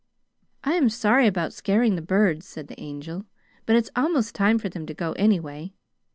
"I am sorry about scaring the birds," said the Angel, "but it's almost time for them to go anyway.